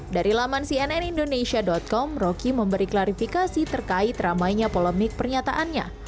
dari laman cnnindonesia com roky memberi klarifikasi terkait ramainya polemik pernyataannya